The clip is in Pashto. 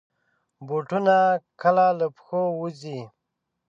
بوټونه کله له پښو وځي.